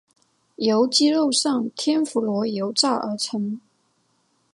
由鸡肉上天妇罗油炸而成。